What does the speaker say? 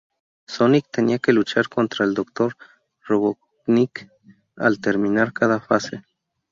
Sonic tenía que luchar contra el Dr. Robotnik al terminar cada fase.